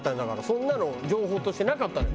そんなの情報としてなかったのよ。